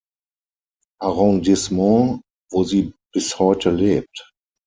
Arrondissement, wo sie bis heute lebt.